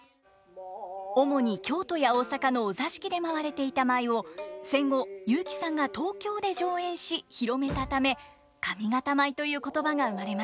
主に京都や大阪のお座敷で舞われていた舞を戦後雄輝さんが東京で上演し広めたため上方舞という言葉が生まれました。